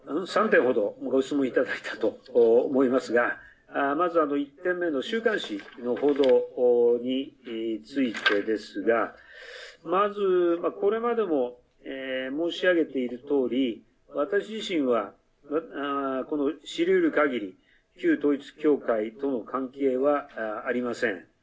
３点ほどご質問いただいたと思いますがまず１点目の週刊誌の報道についてですが、まず、これまでも申し上げているとおり私自身は、この知りうるかぎり旧統一教会との関係はありません。